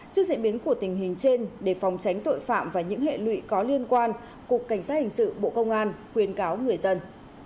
trước diễn biến của tình hình trên để phòng tránh tội phạm và những hệ lụy có liên quan cục cảnh sát hình sự bộ công an khuyên cáo người dân